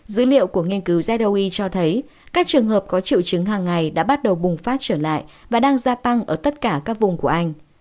dữ liệu của nghiên cứu zdoui cho thấy các trường hợp có triệu chứng hàng ngày đã bắt đầu bùng phát trở lại và đang gia tăng ở tất cả các vùng của anh